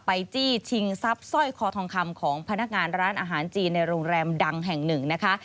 จี้ชิงทรัพย์สร้อยคอทองคำของพนักงานร้านอาหารจีนในโรงแรมดังแห่งหนึ่งนะคะ